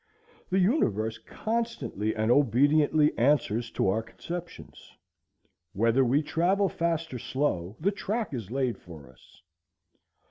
The universe constantly and obediently answers to our conceptions; whether we travel fast or slow, the track is laid for us.